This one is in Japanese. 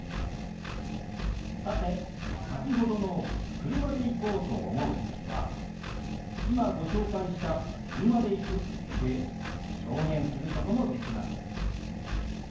さて先ほどの「車で行こうと思う」は今ご紹介した「車で行く」で表現することもできます。